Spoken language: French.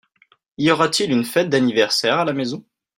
Y aura-t-il une fête d'anniversaire à la maison ?